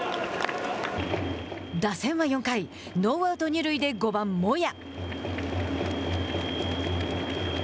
打線は４回ノーアウト、二塁で５番モヤ。